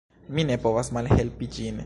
Mi ne povas malhelpi ĝin.